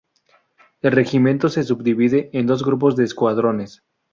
El Regimiento se subdivide en dos Grupos de Escuadrones.